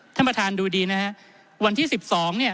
ท่านประธานดูดีนะฮะวันที่สิบสองเนี่ย